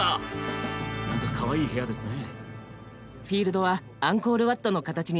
なんかかわいい部屋ですね。